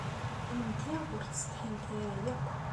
Kennemti ur tettsetḥimt ara akk?